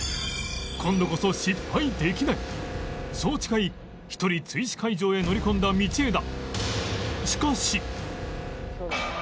そう誓い一人追試会場へ乗り込んだ道枝